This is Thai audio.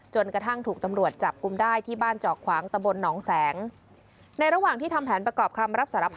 จนกระทั่งถูกตำรวจจับกลุ่มได้ที่บ้านเจาะขวางตะบนหนองแสงในระหว่างที่ทำแผนประกอบคำรับสารภาพ